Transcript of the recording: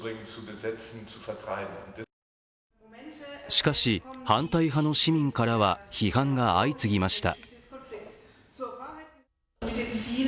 しかし、反対派の市民からは批判が相次ぎました。